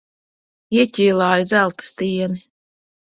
Ieķīlāja zelta stieni.